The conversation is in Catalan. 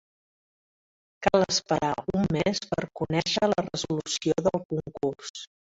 Cal esperar un mes per conèixer la resolució del recurs.